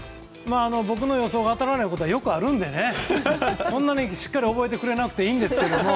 僕の予想が当たらないことはよくあるのでそんなにしっかり覚えてくれなくてもいいんですけど。